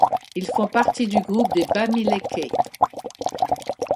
Ils font partie du groupe des Bamilékés.